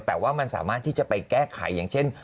แต่ว่ามันสามารถที่จะไปแก้ไขอย่างเช่น